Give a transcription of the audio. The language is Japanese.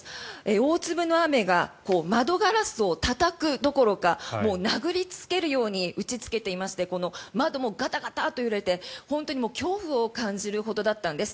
大粒の雨が窓ガラスをたたくどころかもう殴りつけるように打ちつけていまして窓もガタガタと揺れて本当に、恐怖を感じるほどだったんです。